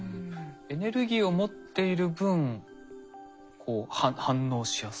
エネルギーを持っている分反応しやすい？